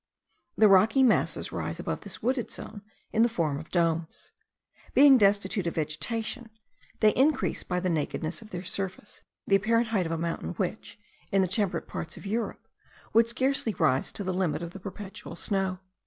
The rocky masses rise above this wooded zone in the form of domes. Being destitute of vegetation, they increase by the nakedness of their surface the apparent height of a mountain which, in the temperate parts of Europe, would scarcely rise to the limit of perpetual snow.